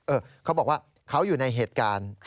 เขาบอกว่าเขาอยู่ในเหตุการณ์